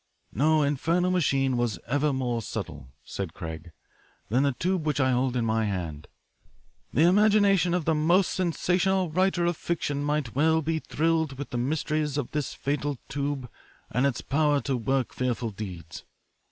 "No infernal machine was ever more subtle," said Craig, "than the tube which I hold in my hand. The imagination of the most sensational writer of fiction might well be thrilled with the mysteries of this fatal tube and its power to work fearful deeds.